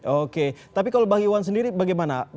oke tapi kalau bagi wan sendiri bagaimana